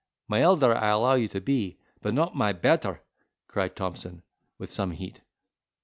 "My elder, I'll allow you to be, but not my better!" cried Thompson, with some heat.